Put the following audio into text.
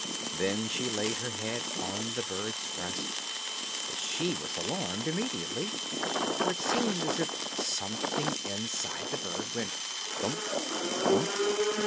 Then she laid her head on the bird's breast, but she was alarmed immediately, for it seemed as if something inside the bird went "thump, thump."